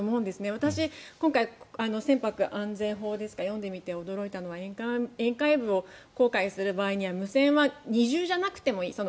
私、今回船舶安全法を読んでみて驚いたのは沿海部を航海する場合には無線は二重じゃなくてもいい。